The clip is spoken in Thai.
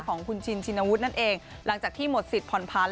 ของคุณชินชินวุฒินั่นเองหลังจากที่หมดสิทธิผ่อนพันธ